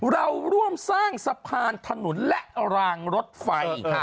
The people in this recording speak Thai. เราร่วมสร้างสะพานถนนและรางรถไฟ